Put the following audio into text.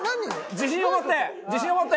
自信を持って！